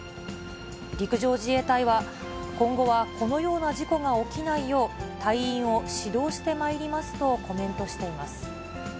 陸上自衛隊は、今後はこのような事故が起きないよう、隊員を指導してまいります